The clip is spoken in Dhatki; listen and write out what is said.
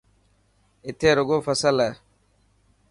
اٿي رڳو فصل هي.